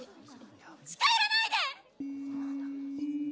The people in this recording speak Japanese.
近寄らないでっ！